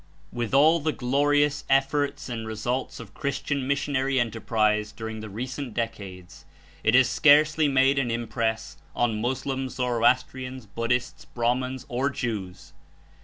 With all the glorious efforts and results of Christian mission [ii] ary enterprise during the recent decades, it has scarcely made an impress on Moslems, Zoroastrians, Budd hists, Brahmans or Jews.